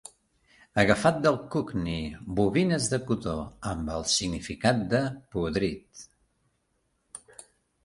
Agafat del cockney, "bobines de cotó " amb el significat de podrit.